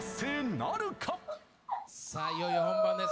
さあ、いよいよ本番です。